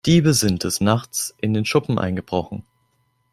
Diebe sind des Nachts in den Schuppen eingebrochen.